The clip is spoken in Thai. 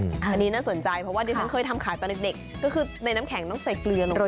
อันนี้น่าสนใจเพราะว่าดิฉันเคยทำขายตอนเด็กก็คือในน้ำแข็งต้องใส่เกลือลงไป